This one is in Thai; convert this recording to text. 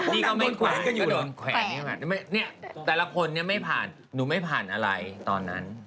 นี่ก็ไม่ผ่านก็โดนแขวนแต่ละคนเนี่ยไม่ผ่านหนูไม่ผ่านอะไรตอนนั้น